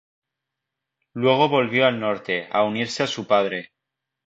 Luego volvió al Norte a unirse a su padre.